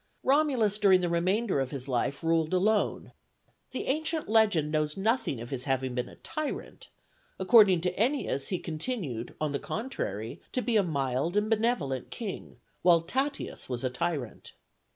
Romulus during the remainder of his life ruled alone; the ancient legend knows nothing of his having been a tyrant: according to Ennius he continued, on the contrary, to be a mild and benevolent king, while Tatius was a tyrant.